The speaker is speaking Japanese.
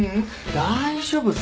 大丈夫さ。